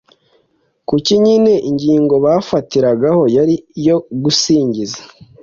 kuko nyine ingingo bwafatiragaho yari iyo gusingiza